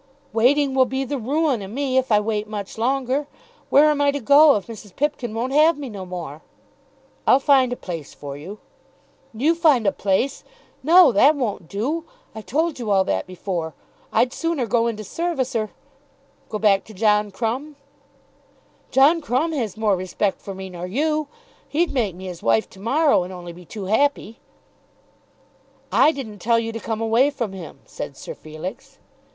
"Waiting will be the ruin o' me, if I wait much longer. Where am I to go, if Mrs. Pipkin won't have me no more?" "I'll find a place for you." "You find a place! No; that won't do. I've told you all that before. I'd sooner go into service, or " "Go back to John Crumb." "John Crumb has more respect for me nor you. He'd make me his wife to morrow, and only be too happy." "I didn't tell you to come away from him," said Sir Felix.